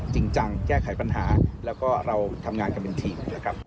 จริงจังแก้ไขปัญหาแล้วก็เราทำงานกันเป็นทีมนะครับ